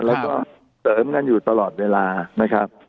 แล้วก็เสริมกันอยู่ตลอดเวลานะครับ